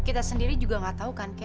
ya kita sendiri juga gak tahu kan kek